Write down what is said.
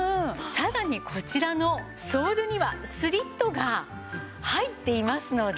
さらにこちらのソールにはスリットが入っていますので。